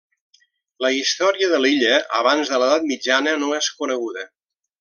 La història de l'illa abans de l'edat mitjana no és coneguda.